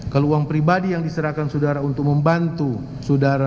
kalau uang pribadi yang diserahkan saudara untuk membantu saudara